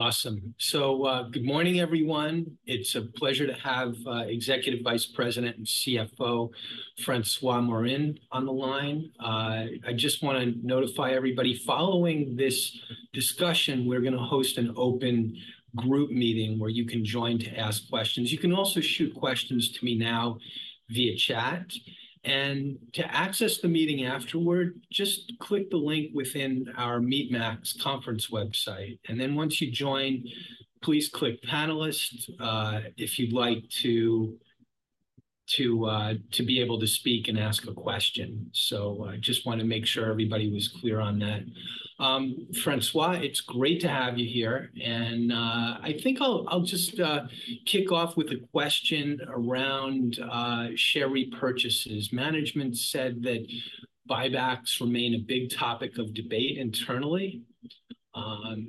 Awesome. So, good morning, everyone. It's a pleasure to have Executive Vice President and CFO, François Morin, on the line. I just wanna notify everybody, following this discussion, we're gonna host an open group meeting where you can join to ask questions. You can also shoot questions to me now via chat, and to access the meeting afterward, just click the link within our MeetMax conference website. And then once you join, please click Panelist, if you'd like to be able to speak and ask a question. So, I just wanna make sure everybody was clear on that. François, it's great to have you here, and I think I'll just kick off with a question around share repurchases. Management said that buybacks remain a big topic of debate internally.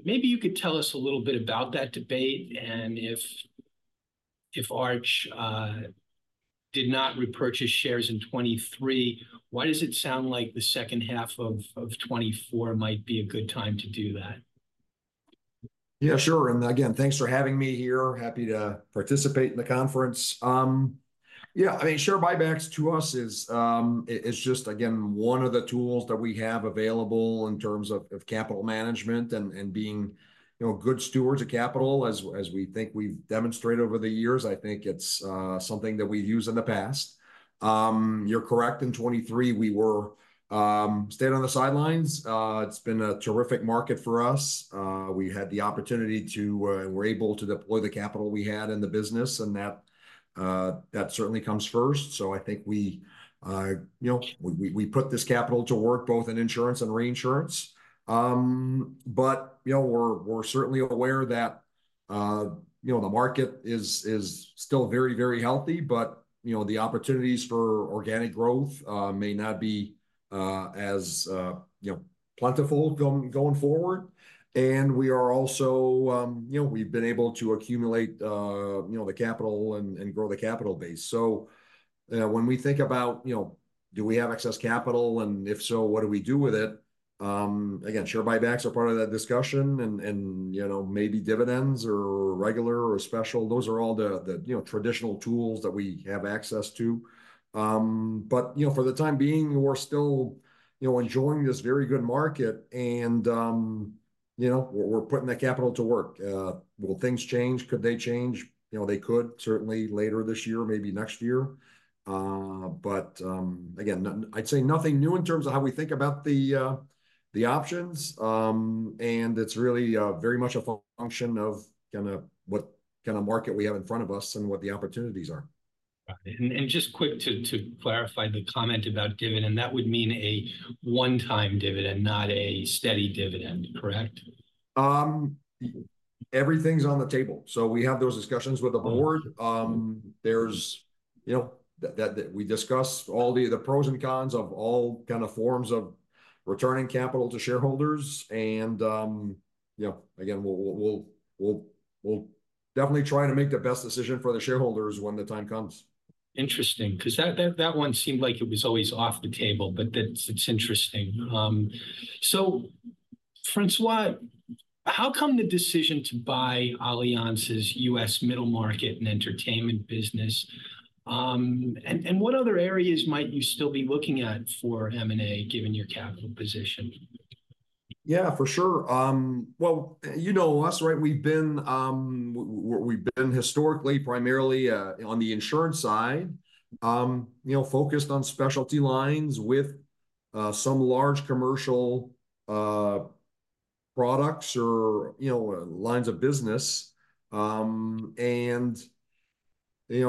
Maybe you could tell us a little bit about that debate, and if Arch did not repurchase shares in 2023, why does it sound like the second half of 2024 might be a good time to do that? Yeah, sure. And again, thanks for having me here. Happy to participate in the conference. Yeah, I mean, share buybacks to us is, it's just, again, one of the tools that we have available in terms of of capital management and, and being, you know, good stewards of capital, as, as we think we've demonstrated over the years. I think it's, something that we've used in the past. You're correct, in 2023, we were, stayed on the sidelines. It's been a terrific market for us. We had the opportunity to... we were able to deploy the capital we had in the business, and that, that certainly comes first. So I think we, you know, we, we put this capital to work, both in insurance and reinsurance. But, you know, we're certainly aware that, you know, the market is still very, very healthy, but, you know, the opportunities for organic growth may not be as, you know, plentiful going forward. And we are also, you know, we've been able to accumulate, you know, the capital and grow the capital base. So, when we think about, you know, do we have excess capital, and if so, what do we do with it? Again, share buybacks are part of that discussion, and, you know, maybe dividends or regular or special, those are all the, you know, traditional tools that we have access to. But, you know, for the time being, we're still, you know, enjoying this very good market, and, you know, we're putting that capital to work. Will things change? Could they change? You know, they could, certainly later this year, maybe next year. But again, I'd say nothing new in terms of how we think about the, the options. And it's really, very much a function of kind of what kind of market we have in front of us and what the opportunities are. Got it. And just quick to clarify the comment about dividend, that would mean a one-time dividend, not a steady dividend, correct? Everything's on the table. So we have those discussions with the board. Okay. There's, you know, we discuss all the pros and cons of all kind of forms of returning capital to shareholders. And, you know, again, we'll definitely try to make the best decision for the shareholders when the time comes. Interesting, 'cause that one seemed like it was always off the table, but that's, it's interesting. So, François, how come the decision to buy Allianz's U.S. middle market and entertainment business, and what other areas might you still be looking at for M&A, given your capital position? Yeah, for sure. Well, you know us, right? We've been historically, primarily, on the insurance side, you know, focused on specialty lines with some large commercial products or, you know, lines of business. And, you know, you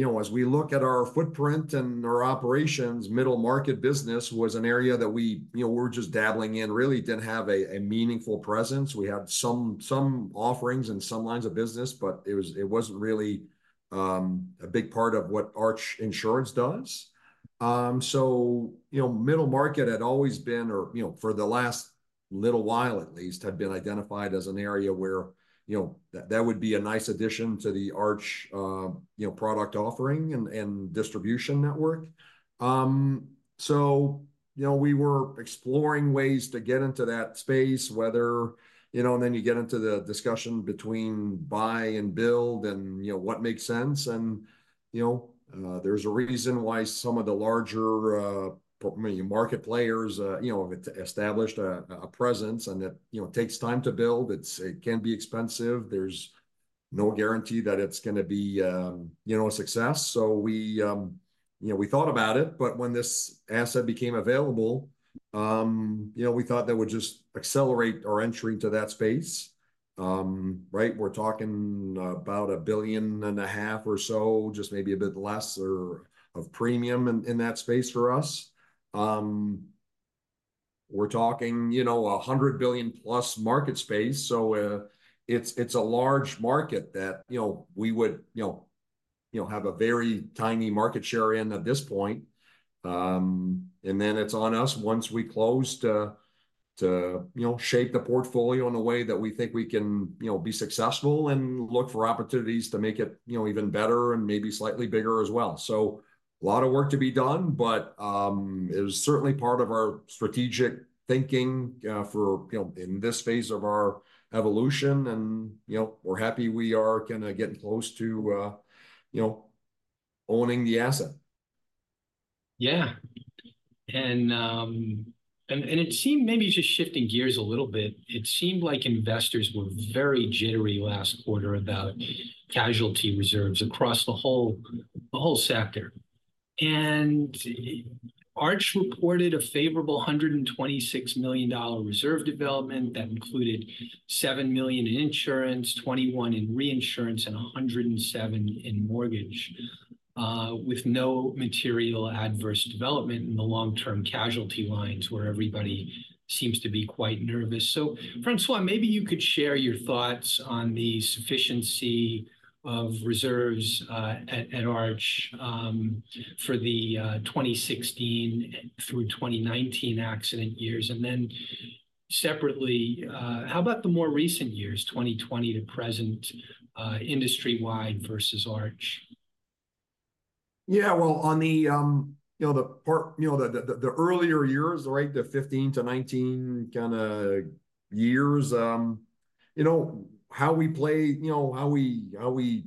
know, as we look at our footprint and our operations, middle market business was an area that we, you know, we're just dabbling in, really didn't have a meaningful presence. We had some offerings in some lines of business, but it wasn't really a big part of what Arch Insurance does. So, you know, middle market had always been, or, you know, for the last little while at least, had been identified as an area where, you know, that would be a nice addition to the Arch, you know, product offering and, and distribution network. So, you know, we were exploring ways to get into that space, whether you know, and then you get into the discussion between buy and build and, you know, what makes sense. And, you know, there's a reason why some of the larger, market players, you know, established a presence, and it, you know, takes time to build. It can be expensive. There's no guarantee that it's gonna be, you know, a success. So we, you know, we thought about it, but when this asset became available, you know, we thought that would just accelerate our entry into that space. Right, we're talking about $1.5 billion or so, just maybe a bit less, or of premium in, in that space for us. We're talking, you know, $100 billion plus market space, so, it's, it's a large market that, you know, we would, you know, you know, have a very tiny market share in at this point. And then it's on us, once we close, to, to, you know, shape the portfolio in a way that we think we can, you know, be successful and look for opportunities to make it, you know, even better and maybe slightly bigger as well. So a lot of work to be done, but it was certainly part of our strategic thinking for, you know, in this phase of our evolution. And, you know, we're happy we are kinda getting close to owning the asset. Yeah. And it seemed, maybe just shifting gears a little bit, it seemed like investors were very jittery last quarter about casualty reserves across the whole, the whole sector. And Arch reported a favorable $126 million reserve development that included $7 million in insurance, $21 million in reinsurance, and $107 million in mortgage, with no material adverse development in the long-term casualty lines, where everybody seems to be quite nervous. So François, maybe you could share your thoughts on the sufficiency of reserves, at Arch, for the 2016 through 2019 accident years, and then separately, how about the more recent years, 2020 to present, industry-wide versus Arch? Yeah, well, on the, you know, the part, you know, the earlier years, right, the 15-19 kinda years, you know, how we play, you know, how we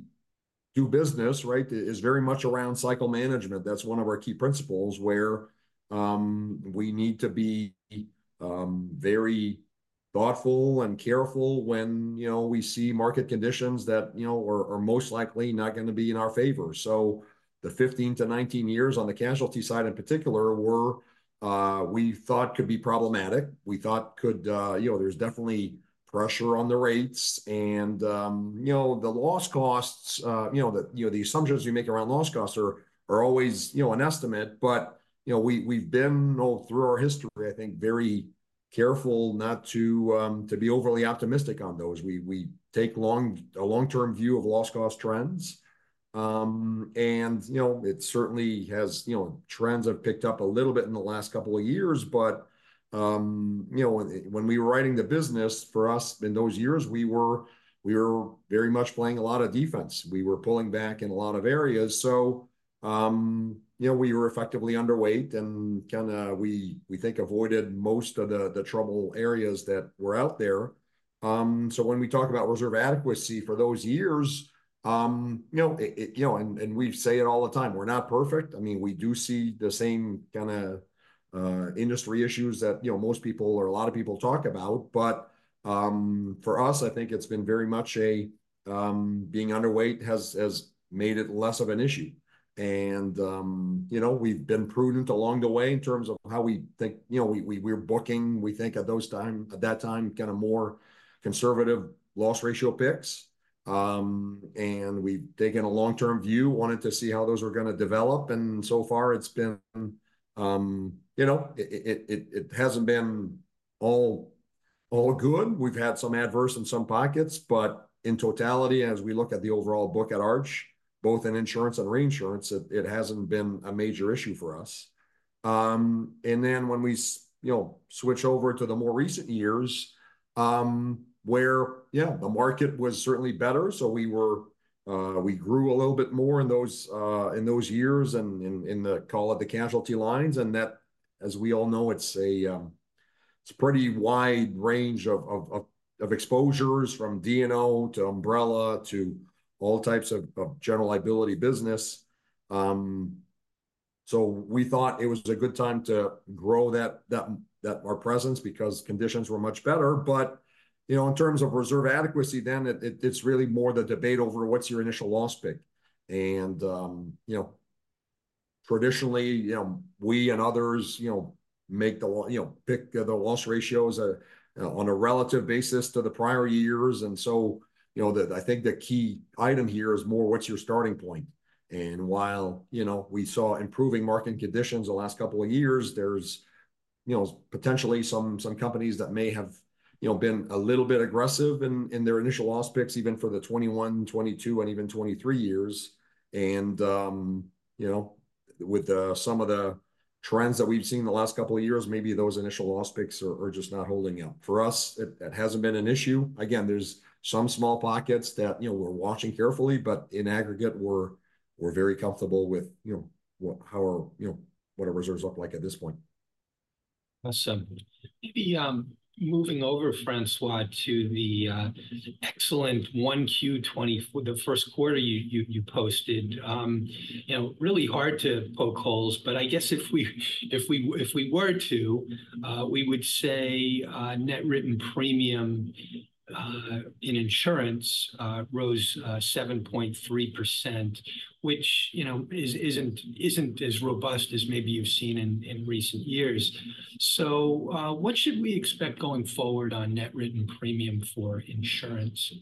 do business, right, is very much around cycle management. That's one of our key principles, where we need to be very thoughtful and careful when, you know, we see market conditions that, you know, are most likely not gonna be in our favor. So the 15-19 years on the casualty side, in particular, were, we thought could be problematic. We thought could, you know, there's definitely pressure on the rates and, you know, the loss costs, you know, the assumptions we make around loss costs are always, you know, an estimate. But, you know, we, we've been all through our history, I think, very careful not to to be overly optimistic on those. We, we take a long-term view of loss cost trends. And, you know, it certainly has. You know, trends have picked up a little bit in the last couple of years, but, you know, when, when we were running the business, for us in those years, we were, we were very much playing a lot of defense. We were pulling back in a lot of areas. So, you know, we were effectively underweight, and kinda we, we think avoided most of the, the trouble areas that were out there. So when we talk about reserve adequacy for those years, you know, it, it, you know, and, and we say it all the time, we're not perfect. I mean, we do see the same kinda industry issues that, you know, most people or a lot of people talk about. But for us, I think it's been very much a being underweight has made it less of an issue. And you know, we've been prudent along the way in terms of how we think. You know, we're booking, we think at that time, kinda more conservative loss ratio picks. And we've taken a long-term view, wanted to see how those were gonna develop, and so far it's been... You know, it hasn't been all good. We've had some adverse in some pockets, but in totality, as we look at the overall book at Arch, both in insurance and reinsurance, it hasn't been a major issue for us. And then when we switch over to the more recent years, where, yeah, the market was certainly better, so we were, we grew a little bit more in those years and in the casualty lines, and that, as we all know, it's a pretty wide range of exposures, from D&O to umbrella to all types of general liability business. So we thought it was a good time to grow that our presence, because conditions were much better. But, you know, in terms of reserve adequacy, then it, it's really more the debate over what's your initial loss pick. You know, traditionally, you know, we and others, you know, make you know, pick the loss ratios on a relative basis to the prior years. So, you know, the, I think the key item here is more, what's your starting point? While, you know, we saw improving market conditions the last couple of years, there's, you know, potentially some companies that may have, you know, been a little bit aggressive in their initial loss picks, even for the 2021, 2022, and even 2023 years. You know, with some of the trends that we've seen in the last couple of years, maybe those initial loss picks are just not holding up. For us, it hasn't been an issue. Again, there's some small pockets that, you know, we're watching carefully, but in aggregate, we're very comfortable with, you know, how our reserves look like at this point. Awesome. Maybe moving over, François, to the excellent 1Q 2024 you posted. You know, really hard to poke holes, but I guess if we were to, we would say net written premium in insurance rose 7.3%, which, you know, isn't as robust as maybe you've seen in recent years. So, what should we expect going forward on net written premium for insurance?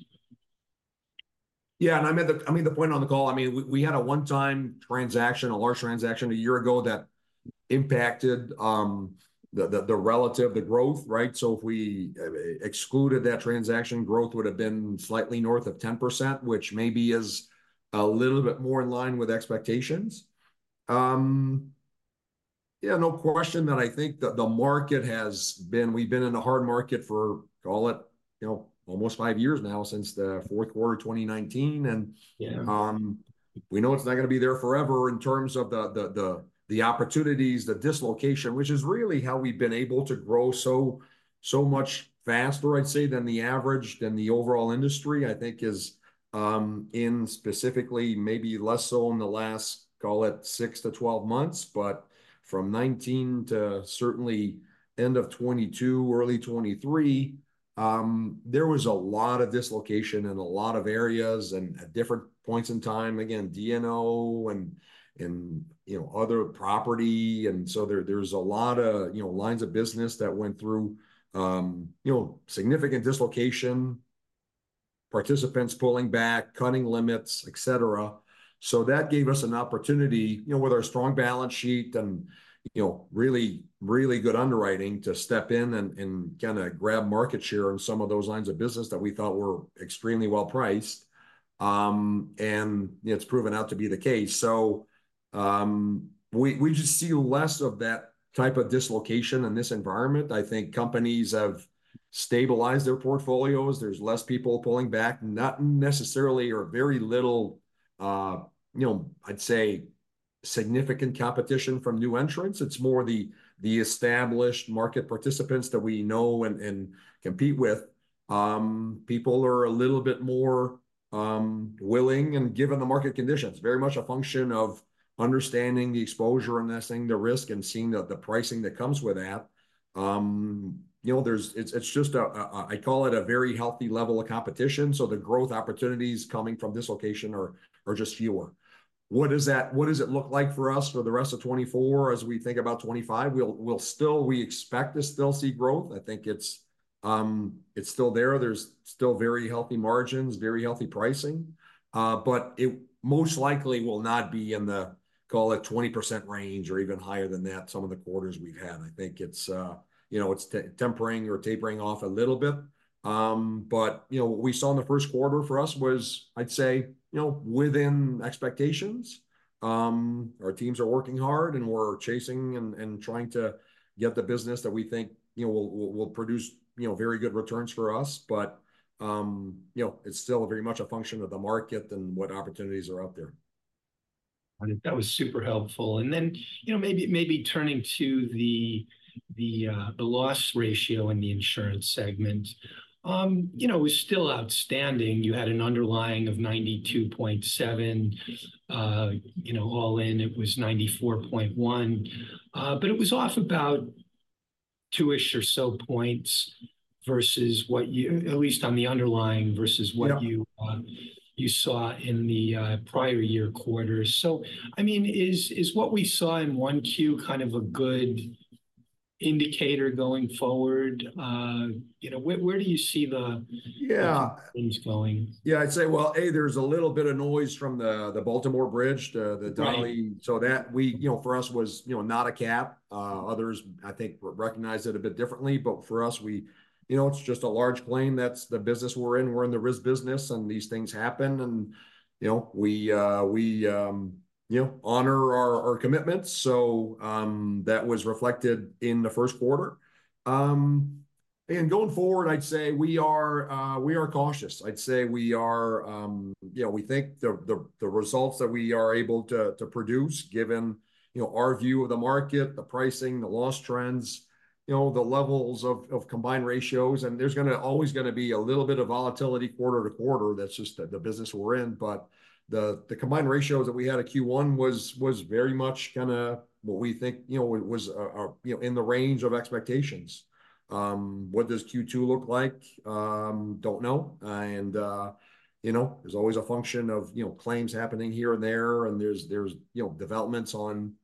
Yeah, and I made the- I mean, the point on the call, I mean, we had a one-time transaction, a large transaction a year ago that impacted the relative growth, right? So if we excluded that transaction, growth would've been slightly north of 10%, which maybe is a little bit more in line with expectations. Yeah, no question that I think the market has been... We've been in a hard market for, call it, you know, almost five years now, since the fourth quarter of 2019, and- Yeah... we know it's not gonna be there forever in terms of the opportunities, the dislocation, which is really how we've been able to grow so much faster, I'd say, than the average, than the overall industry. I think is, in specifically, maybe less so in the last, call it, 6-12 months, but from 2019 to certainly end of 2022, early 2023, there was a lot of dislocation in a lot of areas and at different points in time. Again, D&O and, you know, other property, and so there, there's a lot of, you know, lines of business that went through, you know, significant dislocation, participants pulling back, cutting limits, et cetera. So that gave us an opportunity, you know, with our strong balance sheet and, you know, really, really good underwriting to step in and kind of grab market share on some of those lines of business that we thought were extremely well-priced. And, you know, it's proven out to be the case. So, we just see less of that type of dislocation in this environment. I think companies have stabilized their portfolios. There's less people pulling back, not necessarily or very little, you know, I'd say, significant competition from new entrants. It's more the established market participants that we know and compete with. People are a little bit more willing, and given the market conditions, very much a function of understanding the exposure and assessing the risk and seeing the pricing that comes with that. You know, it's just a very healthy level of competition, so the growth opportunities coming from dislocation are just fewer. What does it look like for us for the rest of 2024 as we think about 2025? We expect to still see growth. I think it's still there. There's still very healthy margins, very healthy pricing. But it most likely will not be in the, call it, 20% range or even higher than that, some of the quarters we've had. I think it's, you know, it's tempering or tapering off a little bit. But, you know, what we saw in the first quarter for us was, I'd say, you know, within expectations. Our teams are working hard, and we're chasing and trying to get the business that we think, you know, will produce, you know, very good returns for us. But, you know, it's still very much a function of the market and what opportunities are out there. That was super helpful. And then, you know, maybe, maybe turning to the loss ratio in the insurance segment, you know, it was still outstanding. You had an underlying of 92.7%. You know, all in, it was 94.1%. But it was off about two-ish or so points versus what you... at least on the underlying, versus- Yeah... what you saw in the prior year quarters. So, I mean, is what we saw in 1Q kind of a good indicator going forward? You know, where do you see the- Yeah -things going? Yeah, I'd say, well, A, there's a little bit of noise from the Baltimore Bridge, the Dali- Right. So that, we, you know, for us, was, you know, not a cat. Others, I think, recognized it a bit differently, but for us, You know, it's just a large claim. That's the business we're in. We're in the risk business, and these things happen, and, you know, we, we, you know, honor our commitments. So, that was reflected in the first quarter. And going forward, I'd say we are, we are cautious. I'd say we are... You know, we think the results that we are able to produce, given, you know, our view of the market, the pricing, the loss trends, you know, the levels of combined ratios, and there's gonna always be a little bit of volatility quarter to quarter. That's just the business we're in. But the combined ratios that we had at Q1 was very much kinda what we think, you know, was, you know, in the range of expectations. What does Q2 look like? Don't know. And, you know, there's always a function of, you know, claims happening here and there, and there's, you know, developments on,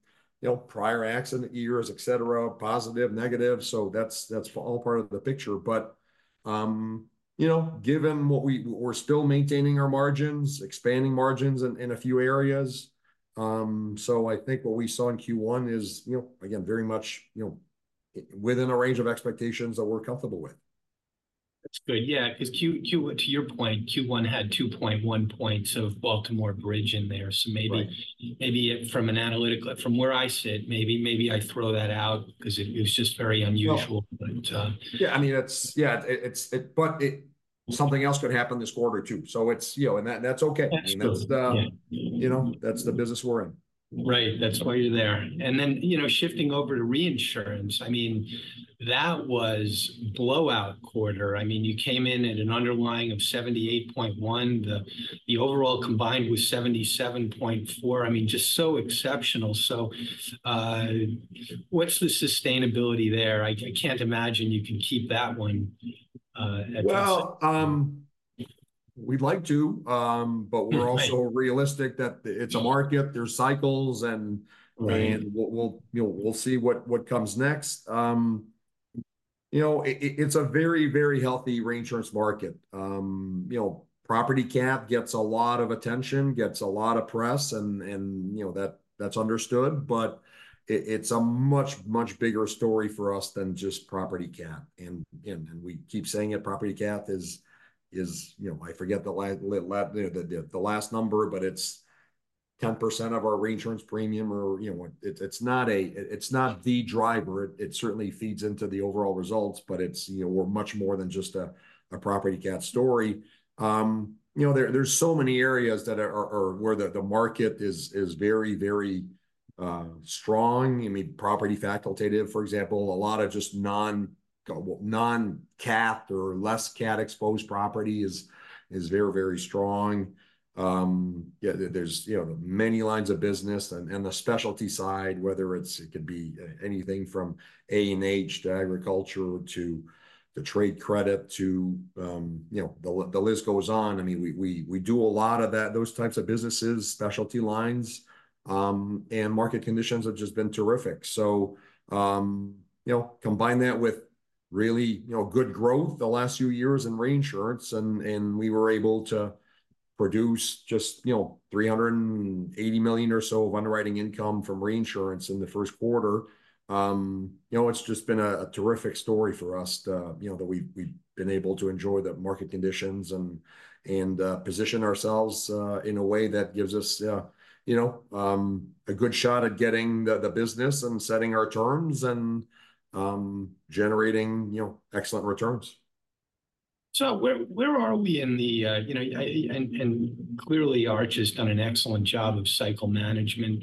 you know, prior accident years, et cetera, positive, negative. So that's all part of the picture. But, you know, given what we're still maintaining our margins, expanding margins in a few areas. So I think what we saw in Q1 is, you know, again, very much, you know, within a range of expectations that we're comfortable with. That's good, yeah, 'cause Q1 to your point, Q1 had 2.1 points of Baltimore Bridge in there. Right. So maybe, maybe from an analytical, from where I sit, maybe, maybe I throw that out 'cause it, it's just very unusual- No... but, Yeah, I mean, it's... But something else could happen this quarter, too. So it's, you know, and that's okay. That's good. That's the- Yeah... you know, that's the business we're in. Right. That's why you're there. And then, you know, shifting over to reinsurance, I mean, that was blowout quarter. I mean, you came in at an underlying of 78.1. The, the overall combined was 77.4. I mean, just so exceptional. So, what's the sustainability there? I, I can't imagine you can keep that one, at this- Well, we'd like to, but- Right... we're also realistic that- Yeah... it's a market, there's cycles, and- Right... and we'll, you know, see what comes next. You know, it's a very, very healthy reinsurance market. You know, property cat gets a lot of attention, gets a lot of press, and, you know, that's understood, but it's a much, much bigger story for us than just property cat. And we keep saying it, property cat is, you know, I forget the last number, but it's 10% of our reinsurance premium or, you know, it's not a... It's not the driver. It certainly feeds into the overall results, but it's, you know, we're much more than just a property cat story. You know, there's so many areas where the market is very, very strong. I mean, property facultative, for example, a lot of just well, non-cat or less cat-exposed property is very, very strong. Yeah, there's, you know, many lines of business and the specialty side, whether it's it could be anything from A&H to agriculture to the trade credit to, you know, the list goes on. I mean, we do a lot of that, those types of businesses, specialty lines. And market conditions have just been terrific. So, you know, combine that with really, you know, good growth the last few years in reinsurance, and we were able to produce just, you know, $380 million or so of underwriting income from reinsurance in the first quarter. You know, it's just been a terrific story for us, you know, that we've been able to enjoy the market conditions and position ourselves in a way that gives us, you know, a good shot at getting the business and setting our terms and generating, you know, excellent returns. So where, where are we in the, you know, clearly, Arch has done an excellent job of cycle management.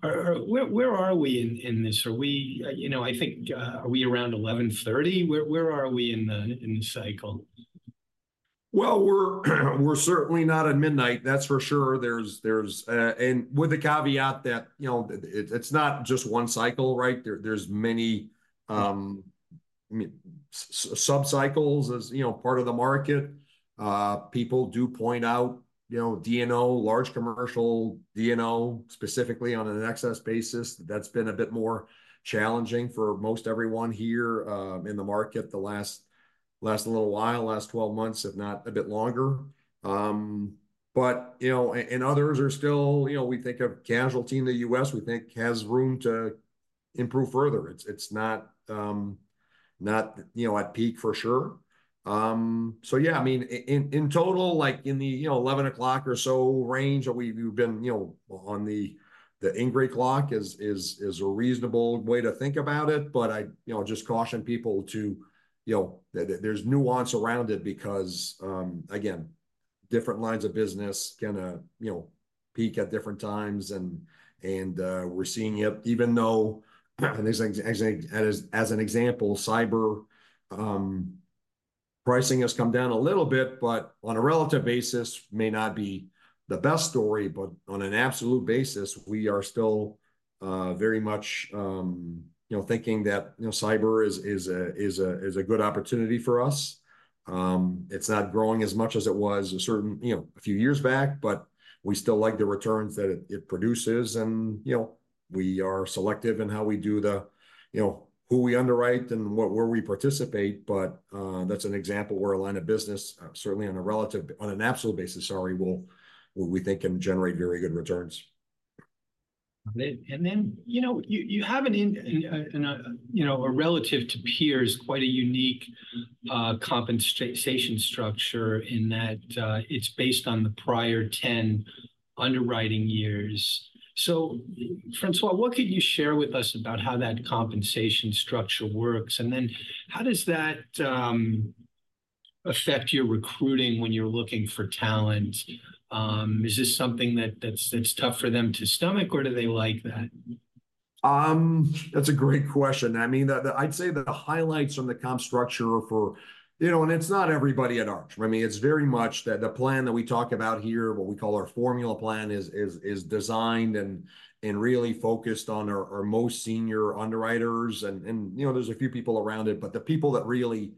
Where, where are we in this? Are we, you know, I think, are we around 11:30? Where, where are we in the cycle? Well, we're certainly not at midnight, that's for sure. There's... And with the caveat that, you know, it, it's not just one cycle, right? There, there's many, I mean, sub-cycles as, you know, part of the market. People do point out, you know, D&O, large commercial D&O, specifically on an excess basis, that's been a bit more challenging for most everyone here, in the market the last little while, last 12 months, if not a bit longer. But, you know, and others are still, you know, we think of casualty in the U.S., we think has room to improve further. It's, it's not, not, you know, at peak for sure. So yeah, I mean, in total, like in the, you know, 11 o'clock or so range that we've been, you know, on the Ingrey Clock is a reasonable way to think about it. But I just caution people to that there's nuance around it because again, different lines of business kind of, you know, peak at different times. And we're seeing yet even though and as an example, cyber pricing has come down a little bit, but on a relative basis, may not be the best story. But on an absolute basis, we are still very much thinking that cyber is a good opportunity for us. It's not growing as much as it was, you know, a few years back, but we still like the returns that it produces. You know, we are selective in how we do, you know, who we underwrite and where we participate. But that's an example where a line of business certainly on an absolute basis, sorry, will, we think, can generate very good returns. And then, you know, you have a relative to peers, quite a unique compensation structure in that it's based on the prior 10 underwriting years. So François, what could you share with us about how that compensation structure works? And then how does that affect your recruiting when you're looking for talent? Is this something that's tough for them to stomach, or do they like that? That's a great question. I mean, I'd say the highlights from the comp structure for... You know, and it's not everybody at Arch. I mean, it's very much that the plan that we talk about here, what we call our formula plan, is designed and really focused on our most senior underwriters. And, you know, there's a few people around it, but the people that really,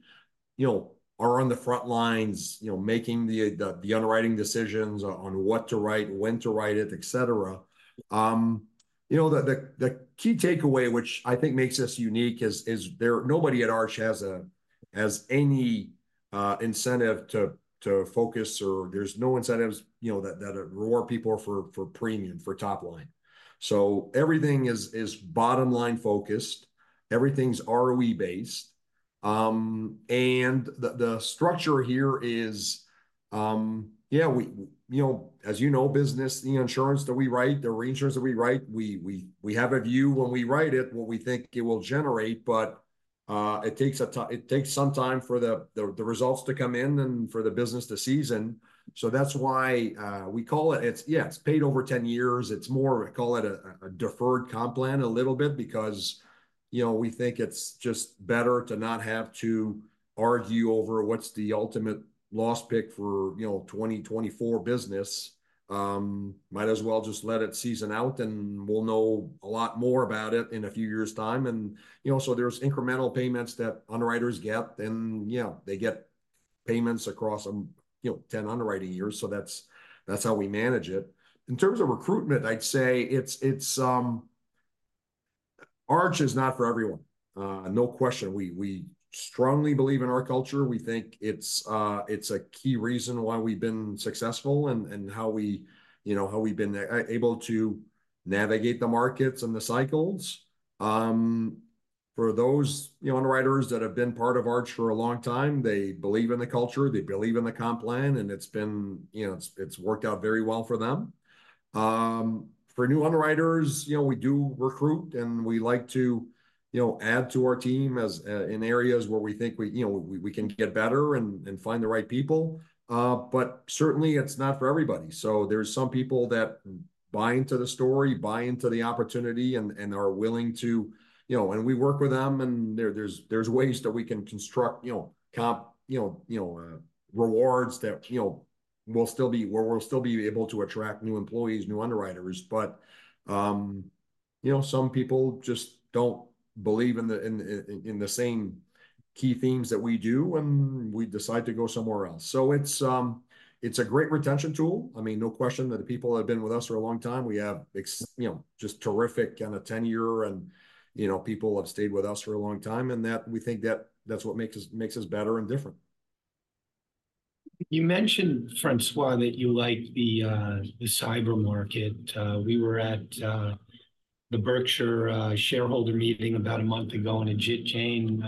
you know, are on the front lines, you know, making the underwriting decisions on what to write, when to write it, et cetera. You know, the key takeaway, which I think makes us unique, is there's nobody at Arch has any incentive to focus, or there's no incentives, you know, that reward people for premium, for top line. So everything is bottom-line focused, everything's ROE-based. And the structure here is, yeah, we, you know, as you know, business, the insurance that we write, the reinsurance that we write, we have a view when we write it, what we think it will generate. But it takes some time for the results to come in and for the business to season. So that's why we call it, it's... Yeah, it's paid over 10 years. It's more, I call it a deferred comp plan a little bit because, you know, we think it's just better to not have to argue over what's the ultimate loss pick for, you know, 2024 business. Might as well just let it season out, and we'll know a lot more about it in a few years' time. And, you know, so there's incremental payments that underwriters get, and, you know, they get payments across, you know, 10 underwriting years. So that's how we manage it. In terms of recruitment, I'd say it's Arch is not for everyone. No question. We strongly believe in our culture. We think it's a key reason why we've been successful and how we, you know, how we've been able to navigate the markets and the cycles. For those, you know, underwriters that have been part of Arch for a long time, they believe in the culture, they believe in the comp plan, and it's been, you know, it's worked out very well for them. For new underwriters, you know, we do recruit, and we like to, you know, add to our team as in areas where we think we, you know, we can get better and find the right people. But certainly it's not for everybody. So there's some people that buy into the story, buy into the opportunity, and are willing to... You know, and we work with them, and there's ways that we can construct, you know, comp, you know, rewards that, you know, we'll still be able to attract new employees, new underwriters. But, you know, some people just don't believe in the same key themes that we do, and we decide to go somewhere else. So it's a great retention tool. I mean, no question that the people that have been with us for a long time, we have, you know, just terrific kind of tenure, and, you know, people have stayed with us for a long time, and that, we think that that's what makes us, makes us better and different. You mentioned, François, that you like the cyber market. We were at the Berkshire shareholder meeting about a month ago, and Ajit Jain,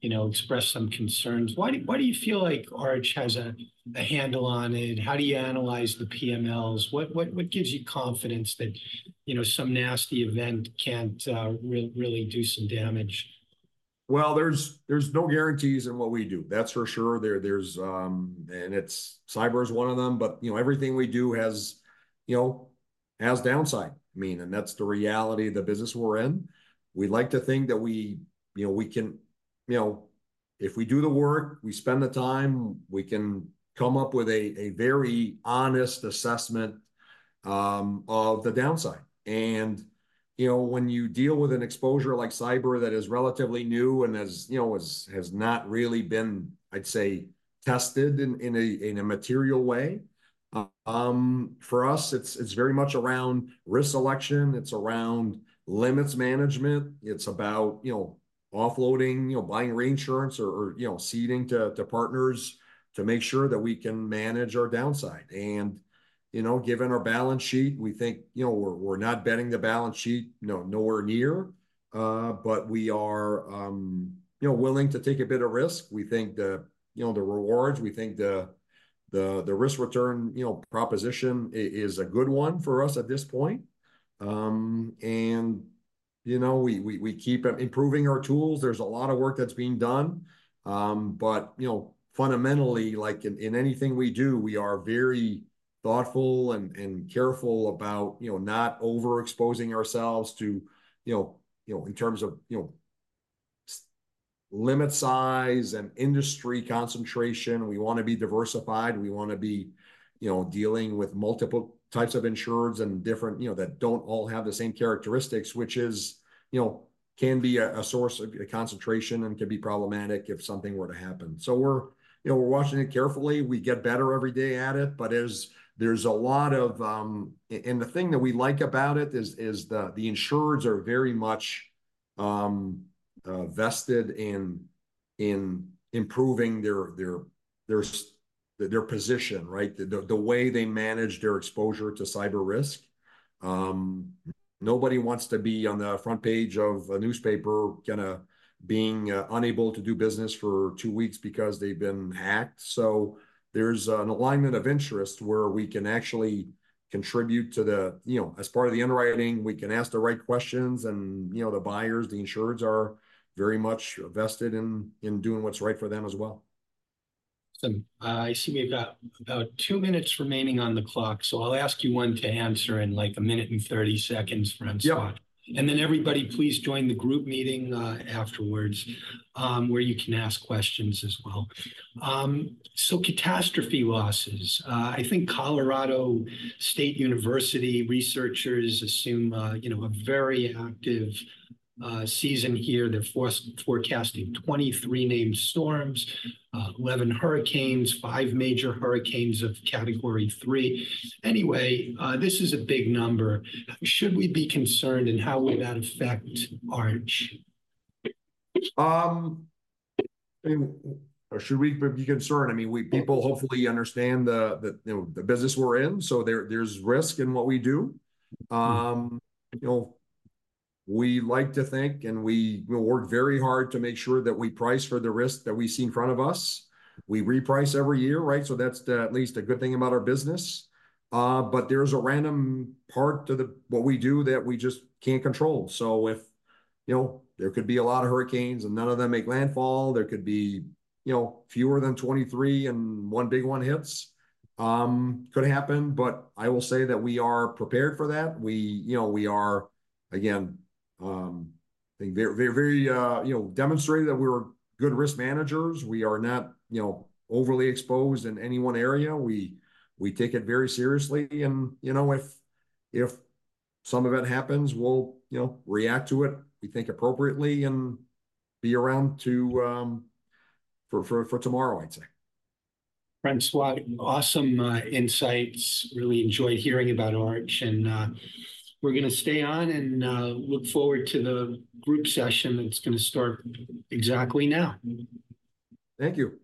you know, expressed some concerns. Why do you feel like Arch has a handle on it? How do you analyze the PMLs? What gives you confidence that, you know, some nasty event can't really do some damage? Well, there's no guarantees in what we do. That's for sure. And it's cyber is one of them, but, you know, everything we do has, you know, has downside. I mean, and that's the reality of the business we're in. We like to think that we, you know, we can. You know, if we do the work, we spend the time, we can come up with a very honest assessment of the downside. You know, when you deal with an exposure like cyber that is relatively new and has, you know, has not really been, I'd say, tested in a material way, for us, it's very much around risk selection, it's around limits management, it's about, you know, offloading, you know, buying reinsurance or, you know, ceding to partners to make sure that we can manage our downside. And, you know, given our balance sheet, we think, you know, we're not betting the balance sheet, you know, nowhere near. But we are, you know, willing to take a bit of risk. We think the, you know, the rewards, we think the risk-return, you know, proposition is a good one for us at this point. And, you know, we keep improving our tools. There's a lot of work that's being done. But, you know, fundamentally, like, in anything we do, we are very thoughtful and careful about, you know, not overexposing ourselves to, you know, you know, in terms of, you know, limit size and industry concentration. We want to be diversified. We want to be, you know, dealing with multiple types of insurers and different... you know, that don't all have the same characteristics, which, you know, can be a source of concentration and can be problematic if something were to happen. So we're, you know, we're watching it carefully. We get better every day at it, but there's a lot of A&H and the thing that we like about it is the insurers are very much vested in improving their position, right? The way they manage their exposure to cyber risk. Nobody wants to be on the front page of a newspaper, kind of being unable to do business for two weeks because they've been hacked. So there's an alignment of interest where we can actually contribute to the... You know, as part of the underwriting, we can ask the right questions, and, you know, the buyers, the insurers, are very much vested in, in doing what's right for them as well. I see we've got about two minutes remaining on the clock, so I'll ask you one to answer in, like, a minute and thirty seconds, François. Yeah. Then everybody, please join the group meeting afterwards, where you can ask questions as well. So catastrophe losses. I think Colorado State University researchers assume, you know, a very active season here. They're forecasting 23 named storms, 11 hurricanes, five major hurricanes of Category 3. Anyway, this is a big number. Should we be concerned, and how would that affect Arch? I mean, should we be concerned? I mean, people hopefully understand the, you know, the business we're in, so there's risk in what we do. You know, we like to think, and we work very hard to make sure that we price for the risk that we see in front of us. We reprice every year, right? So that's at least a good thing about our business. But there's a random part to what we do that we just can't control. So if, you know, there could be a lot of hurricanes and none of them make landfall, there could be, you know, fewer than 23 and one big one hits, could happen, but I will say that we are prepared for that. We, you know, we are, again, very, very, very, you know, demonstrated that we're good risk managers. We are not, you know, overly exposed in any one area. We, we take it very seriously and, you know, if, if some event happens, we'll, you know, react to it, we think, appropriately and be around to, for, for, for tomorrow, I'd say. François, awesome insights. Really enjoyed hearing about Arch, and we're gonna stay on and look forward to the group session that's gonna start exactly now. Thank you.